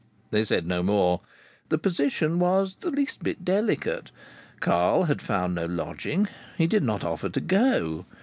They said no more. The position was the least bit delicate. Carl had found no lodging. He did not offer to go.